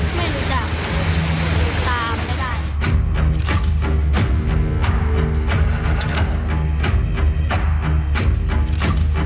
ไม่รู้จักตามไม่ได้